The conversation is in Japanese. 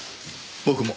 僕も。